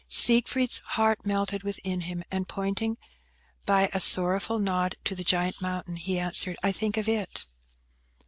Siegfried's heart melted within him, and, pointing by a sorrowful nod to the giant mountain, he answered, "I think of it."